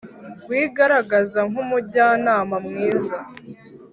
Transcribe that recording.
wigaragaza nk’umujyanama mwiza,